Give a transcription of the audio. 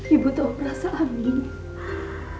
ibu tahu perasaan ini